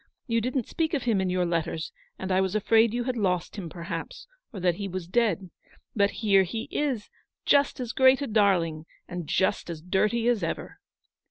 You didn't speak of him in your letters, and I was afraid you had lost him, perhaps, or that he was dead. But here he is, just as great a darling, and just as dirty as ever."